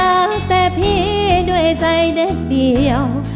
ตั้งแต่พี่ด้วยใจเด็กเดียว